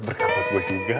berkah buat gue juga